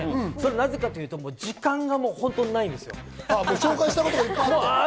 なぜかというと時間がないんですよ。